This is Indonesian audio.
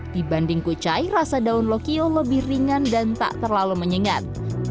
dibanding kucai rasa daun lokio lebih ringan dan tak terlalu menyengat